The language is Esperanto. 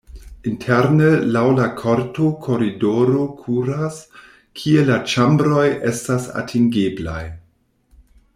Interne laŭ la korto koridoro kuras, kie la ĉambroj estas atingeblaj.